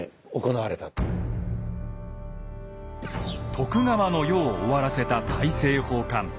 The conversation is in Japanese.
徳川の世を終わらせた大政奉還。